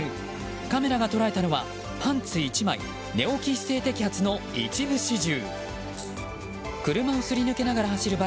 カメラが捉えたのはパンツ１枚寝起き一斉摘発の一部始終。